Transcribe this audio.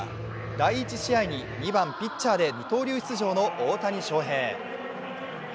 第１試合に２番・ピッチャーで二刀流出場の大谷翔平。